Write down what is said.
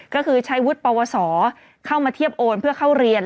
ก็คือใช้วุฒิปวสอเข้ามาเทียบโอนเพื่อเข้าเรียน